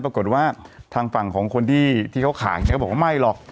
ปรากฏว่าทางฝั่งของคนที่เขาขายเนี่ยก็บอกว่าไม่หรอก